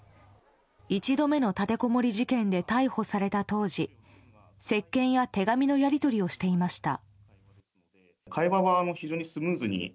一度目の立てこもり事件で逮捕された当時接見や手紙のやり取りをしていました。